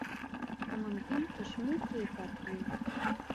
خو ممکن په شمېر کې یې فرق وي.